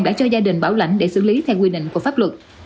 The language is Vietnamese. đã cho gia đình bảo lãnh để xử lý theo quy định của pháp luật